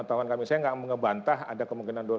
saya tidak mengebantah ada kemungkinan dua ribu tiga